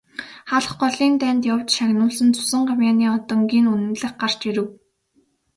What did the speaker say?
Халх голын дайнд явж шагнуулсан цусан гавьяаны одонгийн нь үнэмлэх гарч ирэв.